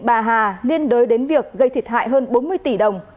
bà hà liên đối đến việc gây thiệt hại hơn bốn mươi tỷ đồng